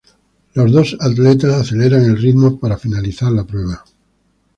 Los dos atletas aceleran el ritmo para finalizar la prueba.